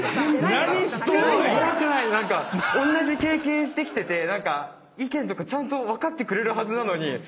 何してんの⁉おんなじ経験してきてて意見とかちゃんと分かってくれるはずなのに。